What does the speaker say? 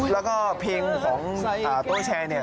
แล้วก็เพลงของโท๊ะแชร์นี่